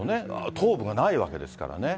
頭部がないわけですからね。